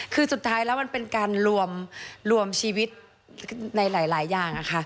คือสุดท้ายแล้วมันเป็นการรวมชีวิตในหลายอย่างค่ะ